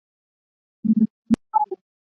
بې له کوم سواله